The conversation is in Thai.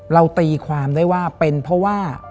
ตีความได้ว่าเป็นเพราะว่า